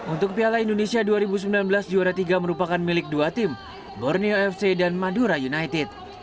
untuk piala indonesia dua ribu sembilan belas juara tiga merupakan milik dua tim borneo fc dan madura united